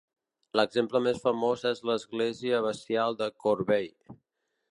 L'exemple més famós és l'església abacial de Corvey.